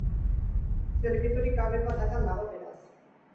Zirrikiturik gabeko atakan dago, beraz.